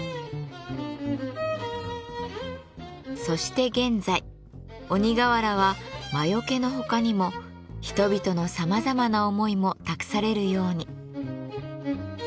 そして現在鬼瓦は魔よけのほかにも人々のさまざまな思いも託されるように。